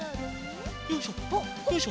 よいしょよいしょ。